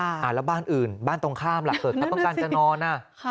แล้วบ้านอื่นบ้านตรงข้ามล่ะเกิดเขาต้องการจะนอนอ่ะค่ะ